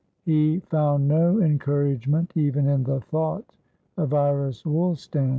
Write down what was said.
He found no encouragement even in the thought of Iris Woolstan.